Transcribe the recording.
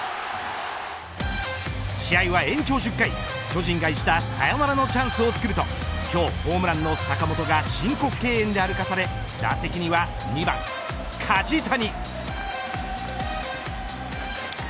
試合は延長１０回、巨人が一打サヨナラのチャンスをつくると今日ホームランの坂本が申告敬遠で歩かされ打席には２番、梶谷。